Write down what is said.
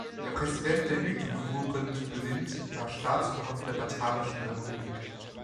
Der Präsident der Uitvoerend Bewind war Staatsoberhaupt der Batavischen Republik.